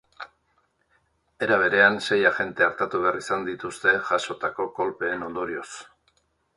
Era berean, sei agente artatu behar izan dituzte, jasotako kolpeen ondorioz.